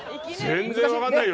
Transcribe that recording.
全然分かんないよ。